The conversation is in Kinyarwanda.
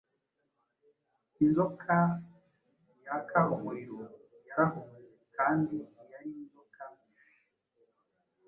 Inzoka yaka umuriro yarahunze kand iyari Inzoka mbi,